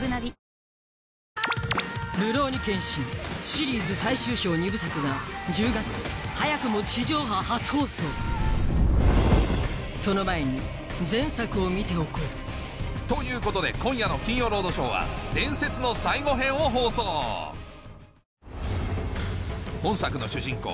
シリーズ最終章２部作が１０月早くも地上波初放送その前に前作を見ておこうということで今夜の『金曜ロードショー』は『伝説の最期編』を放送本作の主人公